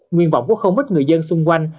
nguyên vọng của không ít người dân xung quanh